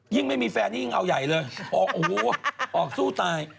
ยิ่งไม่มีแฟนนี้ยิ่งเอาใหญ่เลยออกสู้ตาย